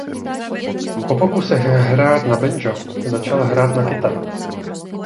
Po pokusech hrát na banjo začal hrát na kytaru.